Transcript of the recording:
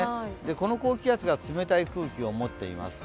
この高気圧が冷たい空気を持っています。